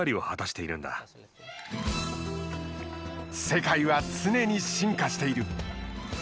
世界は常に進化している。